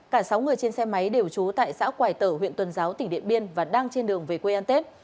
cả sáu người trên xe máy đều trú tại xã quài tở huyện tuần giáo tỉnh điện biên và đang trên đường về quê ăn tết